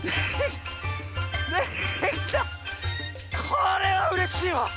これはうれしいわ！